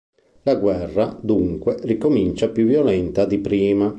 La guerra, dunque, ricomincia più violenta di prima.